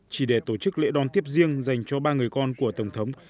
chỉ để tổ chức lễ đón tiếp riêng dành cho ba người con của tổng thống